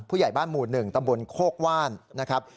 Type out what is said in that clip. ผู้ใหญ่บ้านหมู่๑ตำบลโคกว่านนะครับ